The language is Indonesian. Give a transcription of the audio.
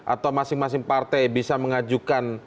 atau masing masing partai bisa mengajukan